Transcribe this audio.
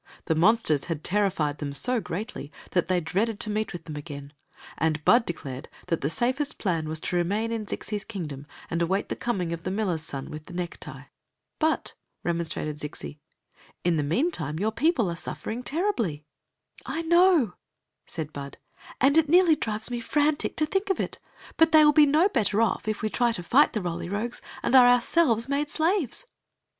The mon sters had terrified them so greatiy that they dreaded to meet with them again, and Bud declared that the safest plan was to remain in Zixi s kingdom and await the coming of the miller's son with the necktie. "But," remonstrated Zixi, "in the meantime your people are suffering terribly. "I know," said Bud; "and it nearly drives me fiantic to think of it But they wili be no better off if we try to fight the Roly Rogues and are ourselves made slaves."